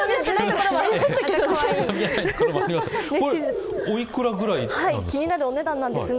これ、おいくらぐらいなんですか？